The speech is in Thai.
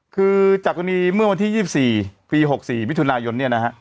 คือจากกรณีเมื่อวันที่๒๔ปี๖๔มิถุนายนเนี่ยนะฮะ